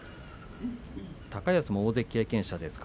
高安も大関経験者です。